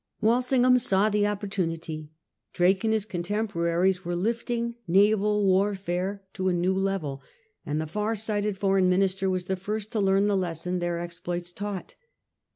Walsingham saw the opportunity. ]Orafca...and his contemporaries were lifting naval warfare to a newleveir and the far sighted F oreign Minister was the first to learn the lesson their exploits taught.